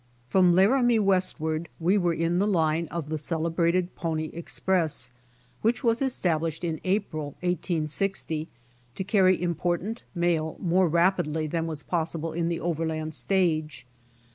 From Laramie westward we were in the line of the celebrated pony express, which was established in April, 1860, to carry important mail more rapidly than was possible in the overland stage.